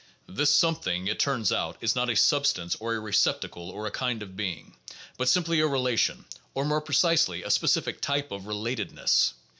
This something, it turns out, is not a "substance" or a "receptacle" or a "kind of being," but simply a relation, or, more precisely, a specific type of relatedness.